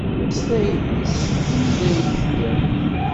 S tayri-s i mi dayen ḥfiɣ.